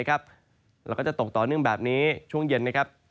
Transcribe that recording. แล้วก็จะตกต่อเนื่องแบบนี้ช่วงเย็นนะครับ